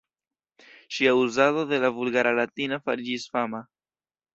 Ŝia uzado de la Vulgara Latina fariĝis fama.